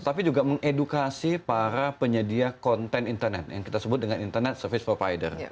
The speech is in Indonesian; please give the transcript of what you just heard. tapi juga mengedukasi para penyedia konten internet yang kita sebut dengan internet service provider